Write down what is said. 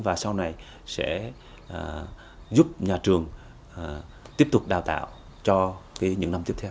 và sau này sẽ giúp nhà trường tiếp tục đào tạo cho những năm tiếp theo